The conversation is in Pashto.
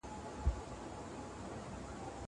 زه به سبا پلان جوړوم وم!!